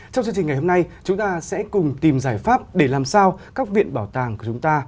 trong chương trình ngày hôm nay chúng ta sẽ cùng tìm giải pháp để làm sao các viện bảo tàng của chúng ta